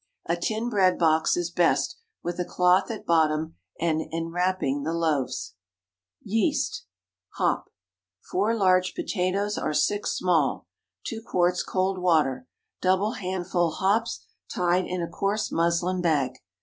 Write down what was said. A tin bread box is best, with a cloth at bottom and enwrapping the loaves. YEAST (Hop.) ✠ 4 large potatoes, or six small. 2 quarts cold water. Double handful hops, tied in a coarse muslin bag.